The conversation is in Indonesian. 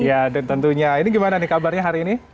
ya dan tentunya ini gimana nih kabarnya hari ini